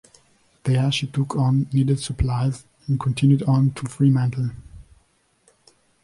There, she took on needed supplies and continued on to Fremantle.